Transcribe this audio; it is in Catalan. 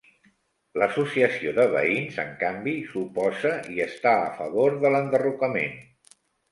L'associació de veïns, en canvi, s'oposa i està a favor de l'enderrocament.